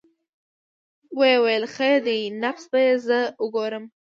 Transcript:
ويې ويل خير دى نبض به يې زه وګورم.